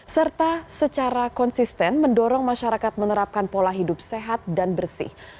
serta secara konsisten mendorong masyarakat menerapkan pola hidup sehat dan bersih